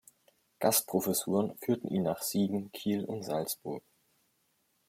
Gastprofessuren führten ihn nach Siegen, Kiel und Salzburg.